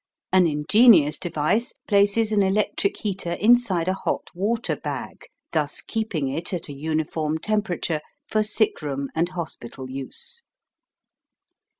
An ingenious device places an electric heater inside a hot water bag, thus keeping it at a uniform temperature for sick room and hospital use.